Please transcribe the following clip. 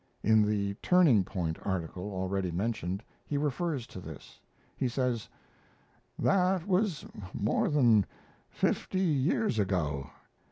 In the "Turning point" article already mentioned he refers to this. He says: That was more than fifty years ago.